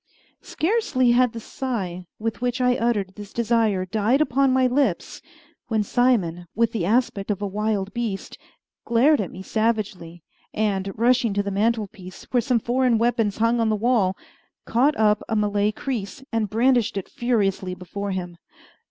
Scarcely had the sigh with which I uttered this desire died upon my lips when Simon, with the aspect of a wild beast, glared at me savagely, and, rushing to the mantelpiece, where some foreign weapons hung on the wall, caught up a Malay creese, and brandished it furiously before him.